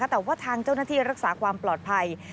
แต่ว่าทางเจ้าหน้าที่รักษาความปลอดภัย